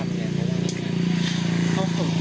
แล้วเขาทำยังไง